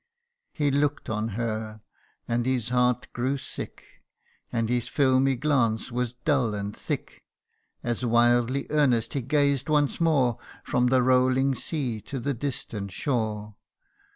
He look'd on her, and his heart grew sick, And his filmy glance was dull and thick, As wildly earnest he gazed once more From the rolling sea to the distant shore.